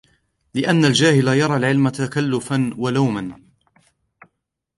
لِأَنَّ الْجَاهِلَ يَرَى الْعِلْمَ تَكَلُّفًا وَلَوْمًا